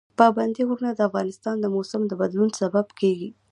پابندي غرونه د افغانستان د موسم د بدلون سبب کېږي.